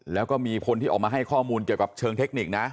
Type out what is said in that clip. แล้วก็มีคนที่ออกมาให้ข้อมูลเกี่ยวกับเชิงเทคนิคนะ